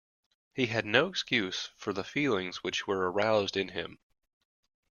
He had no excuse for the feelings which were aroused in him.